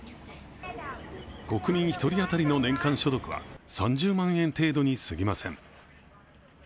国民１人当たりの年間所得は３０万円程度にすぎません。